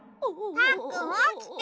パックンおきて。